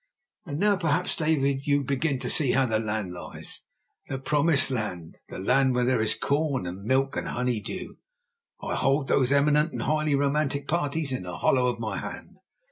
And now perhaps, David, you begin to see how the land lies, the Promised Land, the land where there is corn and milk and honey dew. I hold those eminent and highly romantic parties in the hollow of my hand.